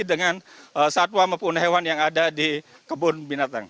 dengan satwa maupun hewan yang ada di kebun binatang